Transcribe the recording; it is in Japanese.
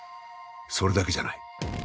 それだけじゃない。